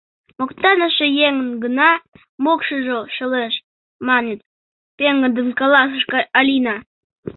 — Моктаныше еҥын гына мокшыжо шелеш, маныт, — пеҥгыдын каласыш Алина.